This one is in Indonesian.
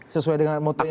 sesuai dengan motonya